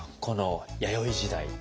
この弥生時代。